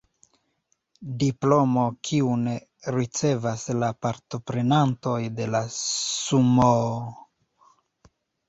Diplomo kiun ricevas la partoprenantoj de la sumoo